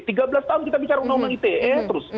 tiga belas tahun kita bicara undang undang ite